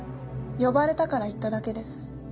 呼ばれたから行っただけです。